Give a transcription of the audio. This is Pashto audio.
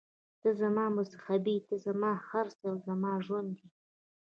ته زما مذهب یې، ته زما هر څه او زما ژوند یې.